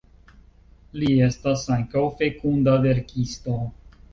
Li estas ankaŭ fekunda verkisto.